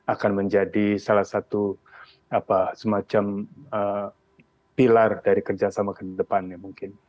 akan menjadi salah satu semacam pilar dari kerjasama ke depannya mungkin